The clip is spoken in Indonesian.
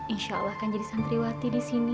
insyaallah akan jadi santriwati disini